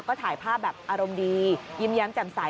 ก็ถ่ายภาพแบบอารมณ์ดียิ้มแย้มแจ่มใส